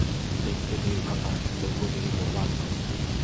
দেখিতে দীর্ঘাকার, তবু তিনি মাধ্যম।